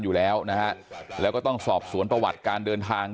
อยู่แล้วนะฮะแล้วก็ต้องสอบสวนประวัติการเดินทาง